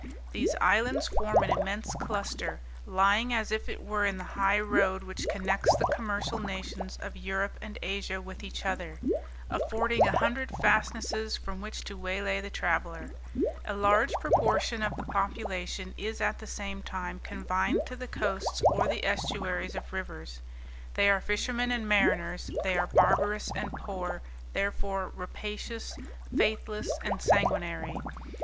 These islands form an immense cluster, lying as if it were in the high road which connects the commercial nations of Europe and Asia with each other, affording a hundred fastnesses from which to waylay the traveller. A large proportion of the population is at the same time confined to the coasts or the estuaries of rivers; they are fishermen and mariners; they are barbarous and poor, therefore rapacious, faithless and sanguinary.